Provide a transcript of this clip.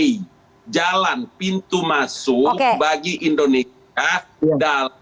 itu adalah jalan pintu masuk bagi indonesia dalam dua ribu tiga belas